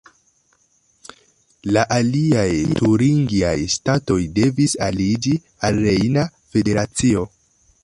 La aliaj turingiaj ŝtatoj devis aliĝi al Rejna Federacio.